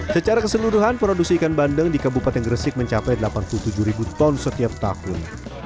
secara keseluruhan produksi ikan bandeng di kabupaten gresik mencapai delapan puluh tujuh ribu ton setiap tahun